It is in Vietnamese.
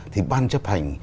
thì bàn chấp hành